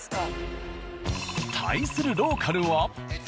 対するローカルは。